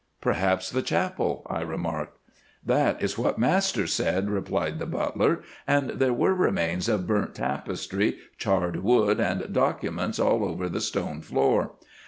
"Perhaps the chapel," I remarked. "That is what master said," replied the butler, "and there were remains of burnt tapestry, charred wood, and documents all over the stone floor.